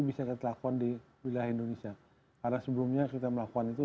bisa kita lakukan di wilayah indonesia karena sebelumnya kita melakukan itu